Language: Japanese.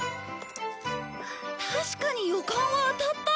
確かに予感は当たった！